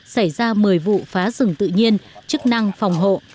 xảy ra một mươi vụ phá rừng tự nhiên chức năng phòng hộ